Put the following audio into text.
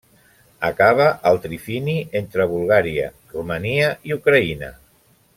Acaba al trifini entre Bulgària, Romania i Ucraïna.